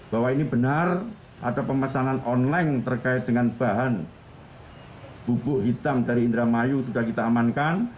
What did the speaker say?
bahwa ini benar ada pemesanan online terkait dengan bahan bubuk hitam dari indramayu sudah kita amankan